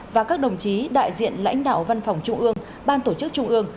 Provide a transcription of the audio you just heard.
và các đồng chí đại diện lãnh đạo văn phòng trung ương ban tổ chức trung ương